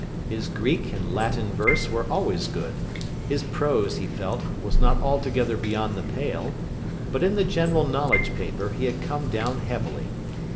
His Greek and Latin verse were always good; his prose, he felt, was not altogether beyond the pale; but in the General Knowledge paper he had come down heavily.